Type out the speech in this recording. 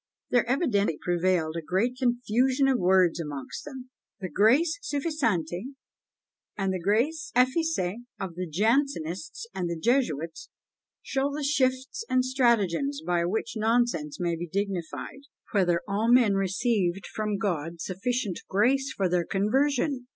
There evidently prevailed a great "confusion of words" among them! The grace suffisante and the grace efficace of the Jansenists and the Jesuits show the shifts and stratagems by which nonsense may be dignified. "Whether all men received from God sufficient grace for their conversion!"